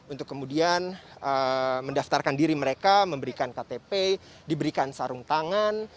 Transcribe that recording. untuk kemudian mendaftarkan diri mereka memberikan ktp diberikan sarung tangan